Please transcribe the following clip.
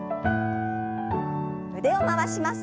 腕を回します。